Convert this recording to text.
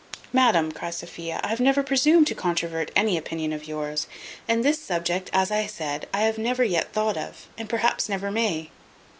"Madam," cries Sophia, "I have never presumed to controvert any opinion of yours; and this subject, as I said, I have never yet thought of, and perhaps never may."